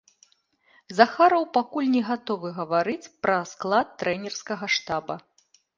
Захараў пакуль не гатовы гаварыць пра склад трэнерскага штаба.